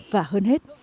và hơn hết